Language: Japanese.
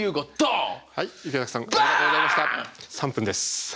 ３分です。